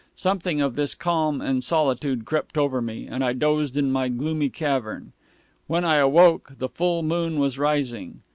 Something of this calm and solitude crept over me, and I dozed in my gloomy cavern. When I awoke the full moon was rising.